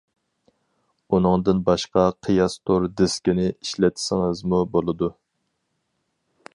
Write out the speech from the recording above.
ئۇنىڭدىن باشقا قىياس تور دىسكىنى ئىشلەتسىڭىزمۇ بولىدۇ.